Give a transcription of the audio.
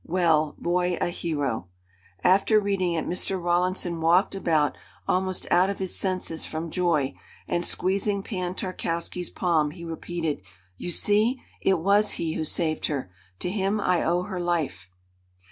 Well. Boy a hero." After reading it Mr. Rawlinson walked about almost out of his senses from joy, and, squeezing Pan Tarkowski's palm, he repeated: "You see, it was he who saved her. To him I owe her life."